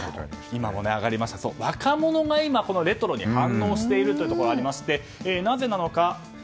今も上がりました若者が今このレトロに反応しているというところがありましてなぜなのか